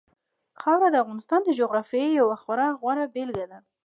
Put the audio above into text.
خاوره د افغانستان د جغرافیې یوه خورا غوره بېلګه ده.